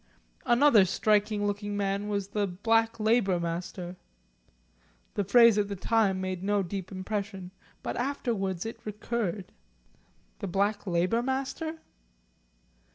Another striking looking man was the Black Labour Master. The phrase at the time made no deep impression, but afterwards it recurred; the Black Labour Master?